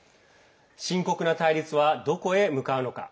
深刻な対立はどこへ向かうのか。